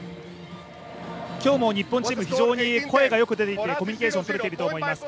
今日も日本チーム、非常に声がよく出ていてコミュニケーションが取れていると思います。